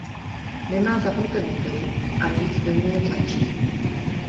Nemá zapnuté motory a nic do ní netlačí.